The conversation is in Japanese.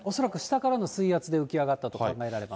恐らく、下からの水圧で浮き上がったと考えられます。